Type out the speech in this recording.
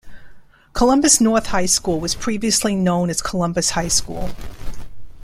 Columbus North High School was previously known as Columbus High School.